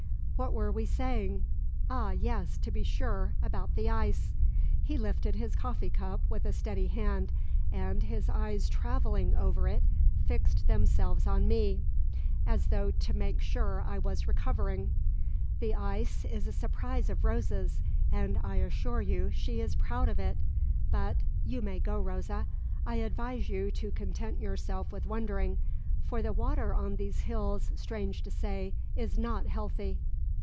"What were we saying? Ah, yes to be sure about the ice." He lifted his coffee cup with a steady hand, and, his eyes travelling over it, fixed themselves on me, as though to make sure I was recovering. "The ice is a surprise of Rosa's, and I assure you she is proud of it. But (you may go, Rosa) I advise you to content yourselves with wondering; for the water on these hills, strange to say, is not healthy."